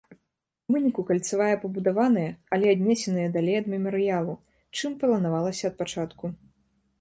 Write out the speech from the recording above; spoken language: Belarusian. У выніку кальцавая пабудаваная, але аднесеная далей ад мемарыялу, чым планавалася ад пачатку.